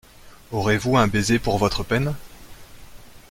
Aurez-vous un baiser pour votre peine ?